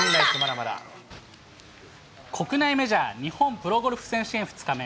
国内メジャー、日本プロゴルフ選手権２日目。